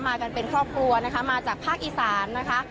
กันเป็นครอบครัวนะคะมาจากภาคอีสานนะคะ